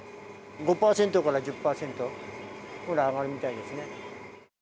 ５％から１０％くらい上がるみたいですね。